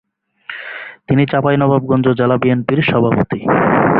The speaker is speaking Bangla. তিনি চাঁপাইনবাবগঞ্জ জেলা বিএনপির সভাপতি।